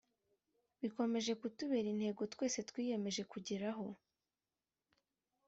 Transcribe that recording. bikomeje kutubera intego twese twiyemeje kugeraho.